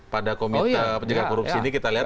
pada komite penjaga korupsi ini kita lihat